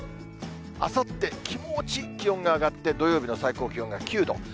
あさって、気持ち気温が上がって、土曜日の最高気温が９度。